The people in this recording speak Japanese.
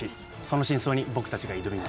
その真相に僕たちが挑みます。